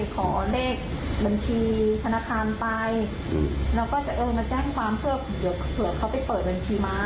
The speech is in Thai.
ขอเลขบัญชีธนาคารไปแล้วก็จะมันแจ้งความเพื่อเค้าไปเปิดบัญชีม้าอีก